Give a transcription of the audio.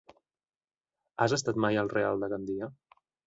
Has estat mai al Real de Gandia?